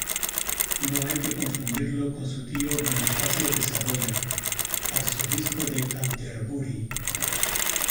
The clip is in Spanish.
No hay que confundirlo con su tío Bonifacio de Saboya, Arzobispo de Canterbury.